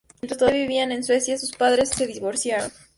Mientras todavía vivían en Suecia, sus padres se divorciaron.